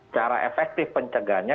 cara efektif pencegahannya